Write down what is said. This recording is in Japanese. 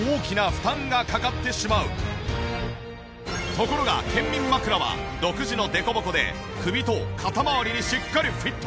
ところが健眠枕は独自のデコボコで首と肩まわりにしっかりフィット。